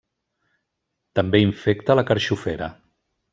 També infecta la carxofera.